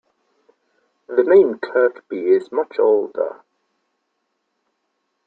The name Kirkby is much older.